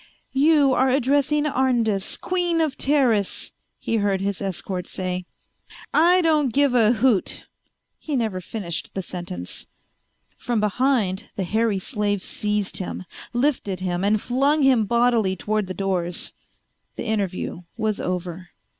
"You are addressing Arndis, Queen of Teris," he heard his escort say. "I don't give a hoot ..." He never finished the sentence. From behind the hairy slave seized him, lifted him and flung him bodily toward the doors. The interview was over.